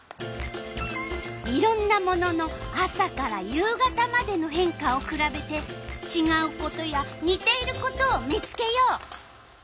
いろんなものの朝から夕方までの変化をくらべてちがうことやにていることを見つけよう。